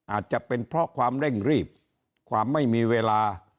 อาจจะเป็นเพราะความเร่งรีบความไม่มีเวลา